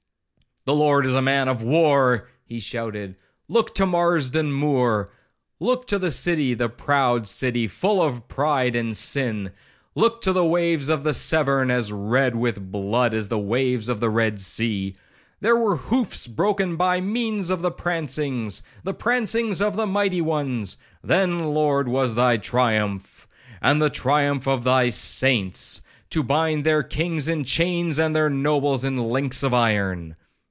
'The Lord is a man of war,' he shouted.—'Look to Marston Moor!—Look to the city, the proud city, full of pride and sin!—Look to the waves of the Severn, as red with blood as the waves of the Red Sea!—There were the hoofs broken by means of the prancings, the prancings of the mighty ones.—Then, Lord, was thy triumph, and the triumph of thy saints, to bind their kings in chains, and their nobles in links of iron.'